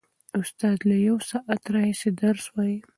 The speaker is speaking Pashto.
استاد له یوه ساعت راهیسې درس وايي.